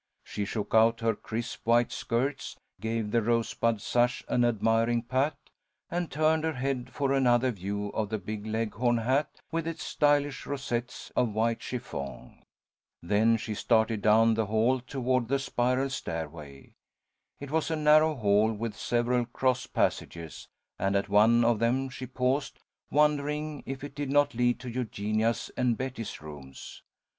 She shook out her crisp white skirts, gave the rosebud sash an admiring pat, and turned her head for another view of the big leghorn hat with its stylish rosettes of white chiffon. Then she started down the hall toward the spiral stairway. It was a narrow hall with several cross passages, and at one of them she paused, wondering if it did not lead to Eugenia's and Betty's rooms.